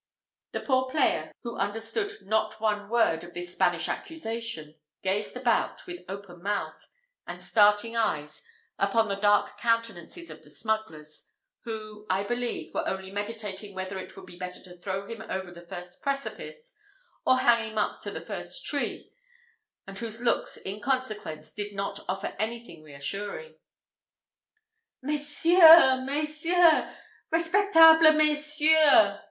The poor player, who understood not one word of this Spanish accusation, gazed about, with open mouth, and starting eyes, upon the dark countenances of the smugglers, who, I believe, were only meditating whether it would be better to throw him over the first precipice, or hang him up on the first tree; and whose looks, in consequence, did not offer anything re assuring. "_Messieurs! messieurs! respectable messieurs!